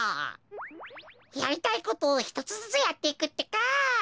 やりたいことをひとつずつやっていくってか！